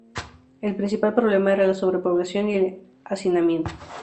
El principal problema era la sobrepoblación y al hacinamiento.